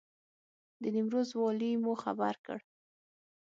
د نیمروز والي مو خبر کړ.